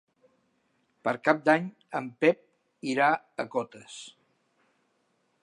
Per Cap d'Any en Pep irà a Cotes.